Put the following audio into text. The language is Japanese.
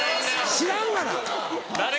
知らんがな！